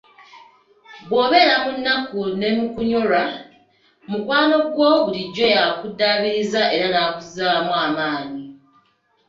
Bw'obeera mu nnaku ne mukunyolwa, mukwano gwo bulijjo yakuddaabiriza era nakuzzaamu amaanyi.